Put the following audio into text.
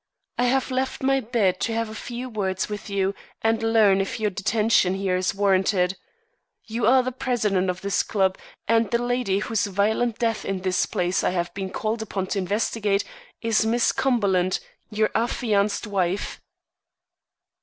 "I have left my bed to have a few words with you and learn if your detention here is warranted. You are the president of this club, and the lady whose violent death in this place I have been called upon to investigate, is Miss Cumberland, your affianced wife?"